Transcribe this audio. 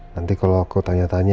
nanti kalau aku tanya tanya